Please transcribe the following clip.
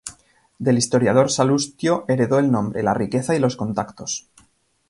Del historiador Salustio heredó el nombre, la riqueza y los contactos.